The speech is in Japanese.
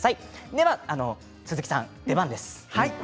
では鈴木さん、出番です。